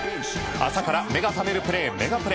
朝から目が覚めるプレーメガプレ。